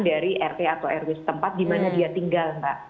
dari rp atau rwis tempat di mana dia tinggal mbak